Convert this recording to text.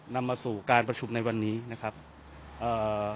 นำมาสู่การประชุมในวันนี้นะครับเอ่อ